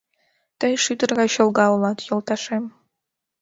Тый шӱдыр гай чолга улат, йолташем.